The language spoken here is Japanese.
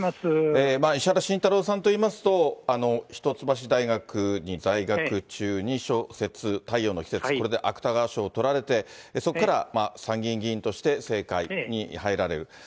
石原慎太郎さんといいますと、一橋大学に在学中に小説、太陽の季節、これで芥川賞を取られて、そこから参議院議員として政界に入られる。